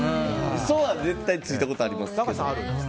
嘘は絶対ついたことありますけど。